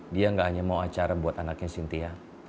dia gak hanya mau acara buat anaknya cynthia